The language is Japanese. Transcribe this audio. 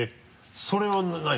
それは何？